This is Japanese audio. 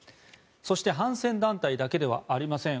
そして反戦団体だけではありません。